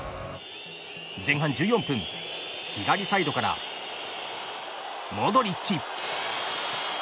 前半１４分左サイドからモドリッチ。